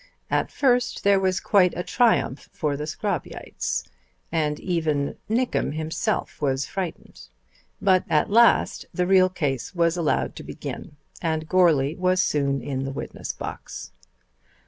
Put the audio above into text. At first there was quite a triumph for the Scrobbyites, and even Nickem himself was frightened. But at last the real case was allowed to begin, and Goarly was soon in the witness box.